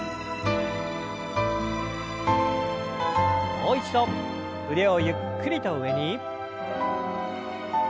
もう一度腕をゆっくりと上に。